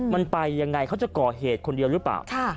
มันไปยังไงเขาจะก่อเหตุคนเดียวหรือเปล่า